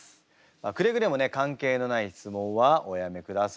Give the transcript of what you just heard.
くれぐれもね関係のない質問はおやめください。